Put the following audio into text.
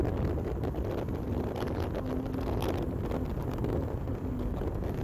د روزګان ولایت مرکز ترینکوټ نومیږي.